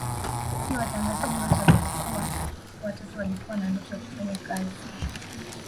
Sio watangazaji wote walipokuwa watoto walikuwa na ndoto ya kufanya kazi